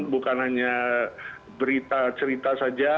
bukan hanya berita cerita